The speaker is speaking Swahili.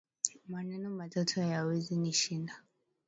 Maneno matatu hayawezi nishinda